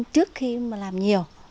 trước khi mà làm nhiều